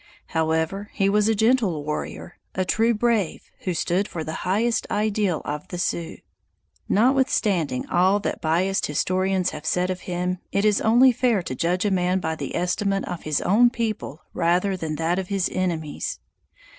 However, he was a gentle warrior, a true brave, who stood for the highest ideal of the Sioux. Notwithstanding all that biased historians have said of him, it is only fair to judge a man by the estimate of his own people rather than that of his enemies.